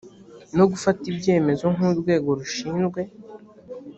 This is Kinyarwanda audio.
no gufata ibyemezo nk urwego rushinzwe